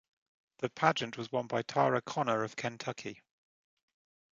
The pageant was won by Tara Conner of Kentucky.